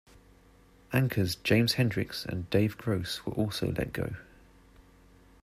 Anchors James Hendricks and Dave Gross were also let go.